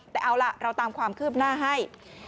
แต่เอาล่ะเราตามความคืบหน้าให้